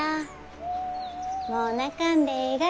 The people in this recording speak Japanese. もう泣かんでえいがよ。